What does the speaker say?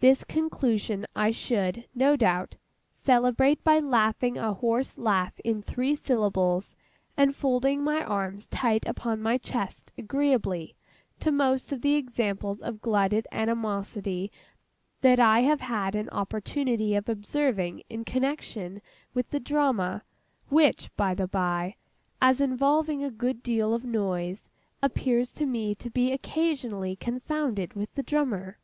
This conclusion I should, no doubt, celebrate by laughing a hoarse laugh in three syllables, and folding my arms tight upon my chest agreeably to most of the examples of glutted animosity that I have had an opportunity of observing in connexion with the Drama—which, by the by, as involving a good deal of noise, appears to me to be occasionally confounded with the Drummer.